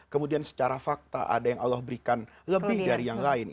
kemudian secara fakta ada yang allah berikan lebih dari yang lain